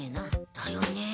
だよねえ。